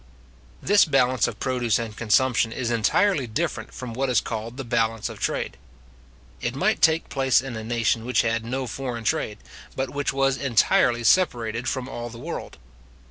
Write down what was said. This balance of produce and consumption is entirely different from what is called the balance of trade. It might take place in a nation which had no foreign trade, but which was entirely separated from all the world.